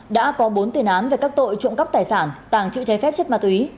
đã có bốn tiền án về các tội trộm cắp tài sản tàng trữ trái phép chất mặt úy